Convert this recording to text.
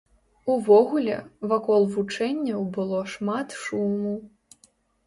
Увогуле, вакол вучэнняў было шмат шуму.